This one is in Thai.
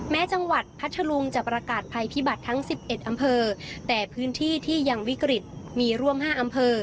แม้จังหวัดพัทธรุงจะประกาศภัยพิบัติทั้ง๑๑อำเภอแต่พื้นที่ที่ยังวิกฤตมีร่วม๕อำเภอ